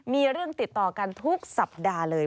มีเรื่องติดต่อกันทุกสัปดาห์เลย